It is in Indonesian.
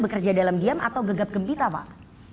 bekerja dalam diam atau gegap gempita pak